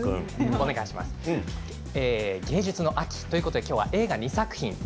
芸術の秋ということで今日は映画２作品です。